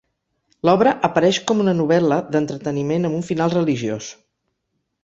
L’obra apareix com una novel·la d’entreteniment amb un final religiós.